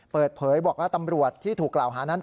เปิดเผยบอกว่าตำรวจที่ถูกกล่าวหานั้น